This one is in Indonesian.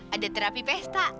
ada terapi pesta